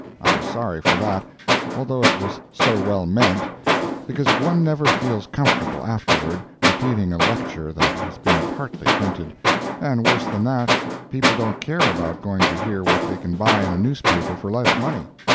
I was sorry for that, although it was so well meant, because one never feels comfortable, afterward, repeating a lecture that has been partly printed; and worse than that, people don't care about going to hear what they can buy in a newspaper for less money.